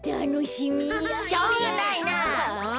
しょうがないなあ。